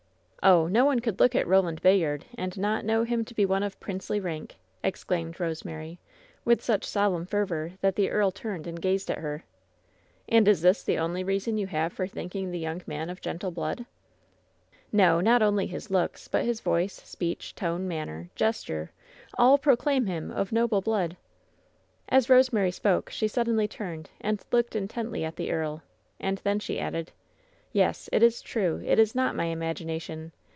"Oh! no one could look at Eoland Bayard and not know him to be one of princely rank !" exclaimed Rose mary, with such solemn fervor that the earl turned and gazed at her. "And is this the only reason you have for thinking the yoimg man of gentle blood?" "No! not only his looks, but his voice, speech, tone, manner, gesture — all proclaim him of noble blood!" As Rosemary spoke, she suddenly turned and looked intently at the earl, and then she added: 28 WHEN SHADOWS DIE '^Yes! It is true! It is not imagination!